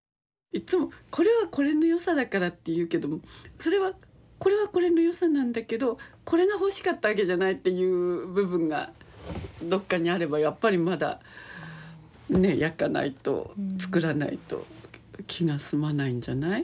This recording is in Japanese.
いっつもこれはこれの良さだからって言うけどもそれはこれはこれの良さなんだけどこれが欲しかったわけじゃないっていう部分がどっかにあればやっぱりまだねえ焼かないと作らないと気が済まないんじゃない？